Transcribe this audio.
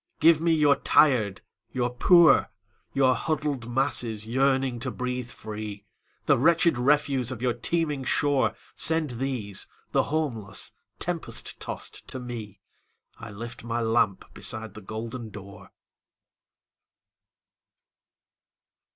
"Give me your tired, your poor, Your huddled masses yearning to breathe free, The wretched refuse of your teeming shore. Send these, the homeless, tempest tost to me,I lift my lamp beside the golden door!"